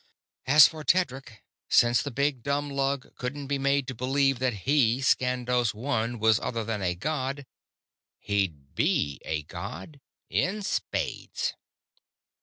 As for Tedric; since the big, dumb lug couldn't be made to believe that he, Skandos One, was other than a god, he'd_ be _a god in spades!